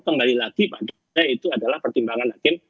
kembali lagi pada itu adalah pertimbangan hakim